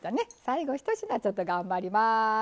最後一品ちょっと頑張ります！